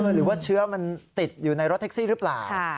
หรือว่าเชื้อมันติดอยู่ในรถแท็กซี่หรือเปล่า